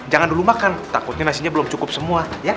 jangan dulu makan takutnya nasinya belum cukup semua